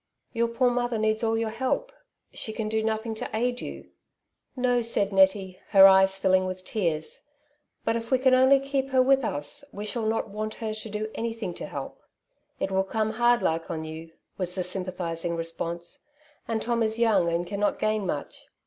'' Your poor mother needs all your help ; she can do nothing to aid you." "No," said Nettie, her eyes filling with tears, " but if we can only keep her with us, we shall not want her to do anything to help." " It will come hard like on you," was the sym pathizing response, " and Tom is young and cannot gain much.